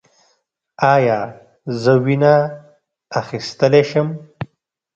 ایا زه وینه اخیستلی شم؟